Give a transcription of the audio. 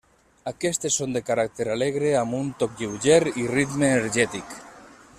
Aquestes són de caràcter alegre, amb un toc lleuger i ritme energètic.